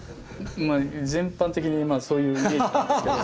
全般的にそういうイメージですけど。